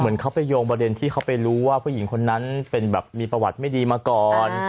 เขาไปโยงประเด็นที่เขาไปรู้ว่าผู้หญิงคนนั้นเป็นแบบมีประวัติไม่ดีมาก่อน